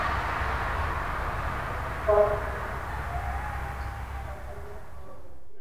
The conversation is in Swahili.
kandoni kwa mto Kasai mpakani kwa nchi za kisasa za Angola